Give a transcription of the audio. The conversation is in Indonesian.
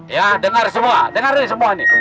ya dengar semua